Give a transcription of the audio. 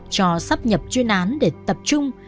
cho sắp nhập chuyên án để tập trung